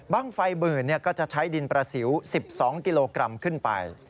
ไฟหมื่นก็จะใช้ดินประสิว๑๒กิโลกรัมขึ้นไป